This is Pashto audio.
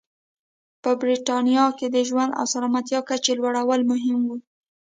په برېټانیا کې د ژوند او سلامتیا کچې لوړول مهم و.